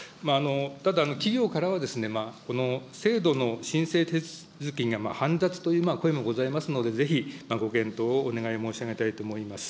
ただ、企業からはですね、この制度の申請手続きが煩雑という声もございますので、ぜひご検討をお願い申し上げたいと思います。